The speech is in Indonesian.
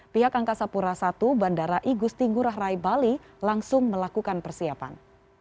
pihak angkasa pura i bandara igusti ngurah rai bali langsung melakukan persiapan